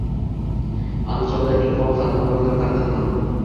Andijonda eng faol tadbirkorlar taqdirlandi